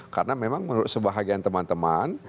karena memang menurut sebahagian teman teman